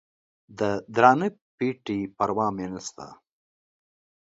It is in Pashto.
د درانه پېټي پروا مې نسته